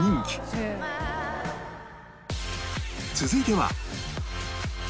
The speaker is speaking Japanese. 続いては